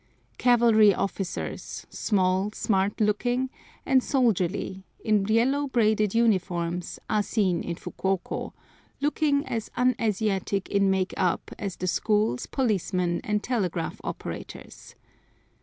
Cavalry officers, small, smart looking, and soldierly, in yellow braided uniforms, are seen in Fukuoko, looking as un Asiatic in make up as the schools, policemen, and telegraph operators.